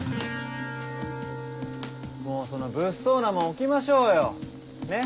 もうその物騒なもん置きましょうよねっ。